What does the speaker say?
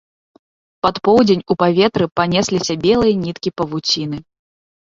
Пад поўдзень у паветры панесліся белыя ніткі павуціны.